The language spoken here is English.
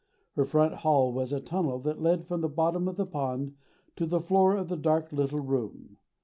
Her front hall was a tunnel that led from the bottom of the pond to the floor of the dark little room.